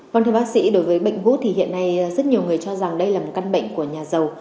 vâng thưa bác sĩ đối với bệnh gút thì hiện nay rất nhiều người cho rằng đây là một căn bệnh của nhà giàu